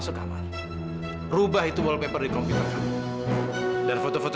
sampai jumpa di video selanjutnya